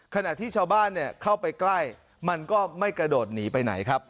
ขณะที่ชาวบ้านเข้าไปใกล้มันก็ไม่กระโดดหนีไปไหนครับ